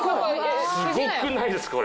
すごくないですか？